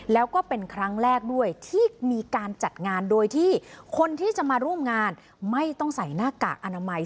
แล้วก็เป็นครั้งแรกด้วยที่มีการจัดงานโดยที่คนที่จะมาร่วมงานไม่ต้องใส่หน้ากากอนามัย